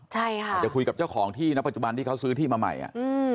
ใช่ค่ะอาจจะคุยกับเจ้าของที่นะปัจจุบันที่เขาซื้อที่มาใหม่อ่ะอืม